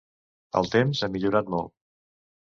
El temps ha millorat molt.